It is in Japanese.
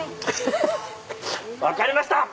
分かりました！